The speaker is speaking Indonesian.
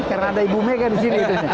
karena ada ibu mega di sini